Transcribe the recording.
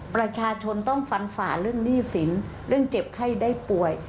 ประชาชนต้องฟันฝ่าเรื่องหนี้สินเรื่องเจ็บไข้ได้ป่วย